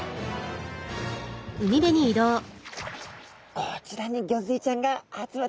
こちらにギョンズイちゃんが集まってますね。